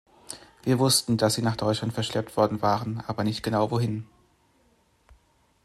Wir wussten, dass sie nach Deutschland verschleppt worden waren, aber nicht genau, wohin.